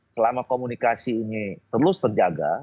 selama komunikasi ini terus terjaga